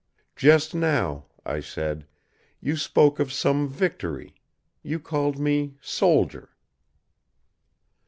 "Just now," I said, "you spoke of some victory. You called me soldier."